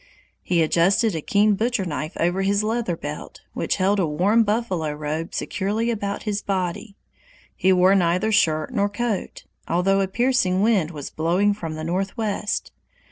He adjusted a keen butcher knife over his leather belt, which held a warm buffalo robe securely about his body. He wore neither shirt nor coat, although a piercing wind was blowing from the northwest.